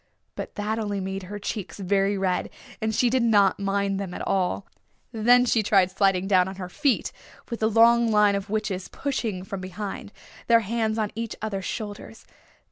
But that only made her cheeks very red, and she did not mind them at all. Then she tried sliding down on her feet, with the long line of witches pushing from behind, their hands on each other's shoulders.